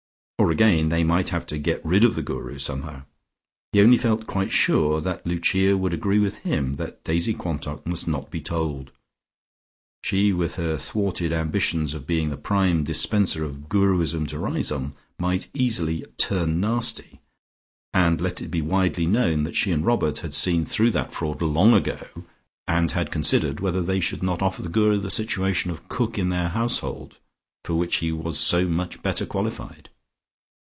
Or again they might have to get rid of the Guru somehow. He only felt quite sure that Lucia would agree with him that Daisy Quantock must not be told. She with her thwarted ambitions of being the prime dispenser of Guruism to Riseholme might easily "turn nasty" and let it be widely known that she and Robert had seen through that fraud long ago, and had considered whether they should not offer the Guru the situation of cook in their household, for which he was so much better qualified.